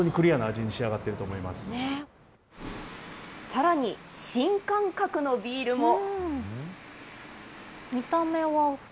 さらに、新感覚のビールも。